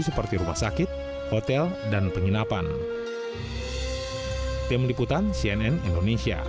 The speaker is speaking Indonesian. seperti rumah sakit hotel dan penginapan